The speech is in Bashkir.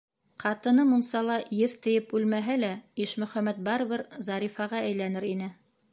Ҡатыны мунсала еҫ тейеп үлмәһә лә Ишмөхәмәт барыбер Зарифаға әйләнер ине.